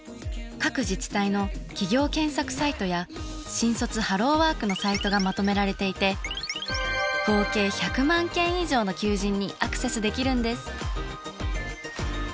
各自治体の企業検索サイトや新卒ハローワークのサイトがまとめられていて合計１００万件以上の求人にアクセスできるんです！